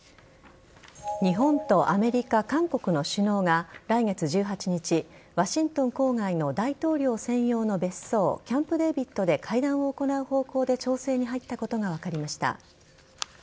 日本とアメリカ、韓国の首脳が来月１８日ワシントン郊外の大統領専用の別荘キャンプデービッドで会談を行う方向で調整に入ったことが分かりました。